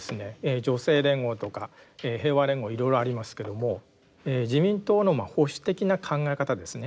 女性連合とか平和連合いろいろありますけども自民党の保守的な考え方ですね